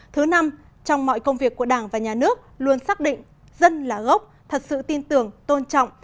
thứ năm trong mọi công việc của đảng và nhà nước luôn xác định dân là gốc thật sự tin tưởng tôn trọng